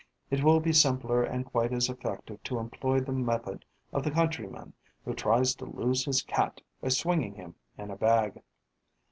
It will be simpler and quite as effective to employ the method of the countryman who tries to lose his Cat by swinging him in a bag.